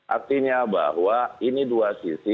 artinya bahwa ini dua sisi